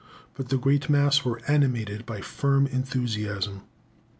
But the great mass were animated by firm enthusiasm.